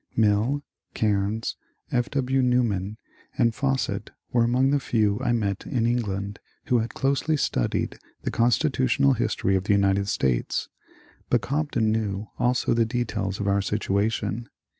Mill, Caimes, F. W. Newman, and Fawcett were among the few I met in England who had closely studied the constitutional history of the United States, 84 MONCDRE PANIEL CONWAY but Cobden knew also the details of our situation.